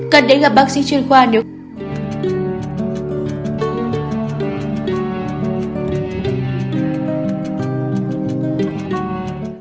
cần đến gặp bác sĩ chuyên khoa nếu cần